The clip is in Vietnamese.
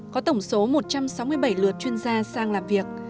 có tổng số một trăm sáu mươi bảy lượt